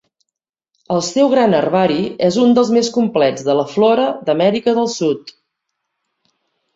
El seu gran herbari és un dels més complets de la flora d'Amèrica del Sud.